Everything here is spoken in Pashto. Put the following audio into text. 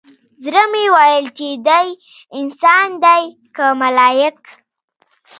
زړه مې ويل چې دى انسان دى که ملايک.